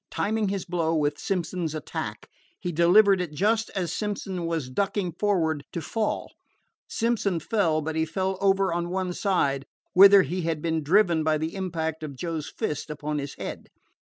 Timing his blow with Simpson's attack, he delivered it just as Simpson was ducking forward to fall. Simpson fell, but he fell over on one side, whither he had been driven by the impact of Joe's fist upon his head.